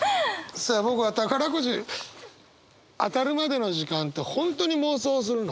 さあ僕は宝くじ当たるまでの時間って本当に妄想するの。